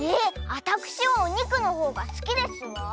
あたくしはおにくのほうがすきですわ。